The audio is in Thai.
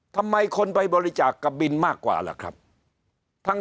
ทำไมคนไปบริจาคกับบินมากกว่าล่ะครับ